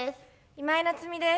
今井菜津美です。